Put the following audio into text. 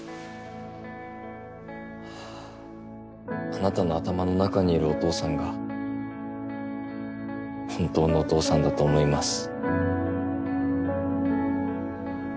あなたの頭の中にいるお父さんが本当のお父さんだと思います。